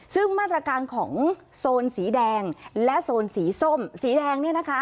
ซึ่งมาตรการของโซนสีแดงและโซนสีส้มสีแดง